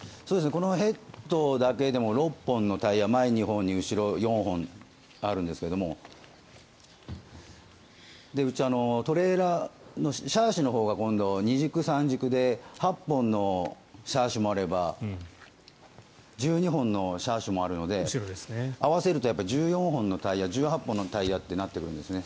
このヘッドだけでも６本のタイヤ前２本に後ろ４本あるんですがうちはトレーラーシャーシのほうが２軸、３軸で８本のシャーシもあれば１２本のシャーシもあるので合わせると１４本のタイヤ１８本のタイヤとなってくるんですね。